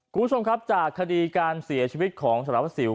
คุณผู้ชมครับจากคดีการเสียชีวิตของสารวัสสิว